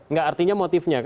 enggak artinya motifnya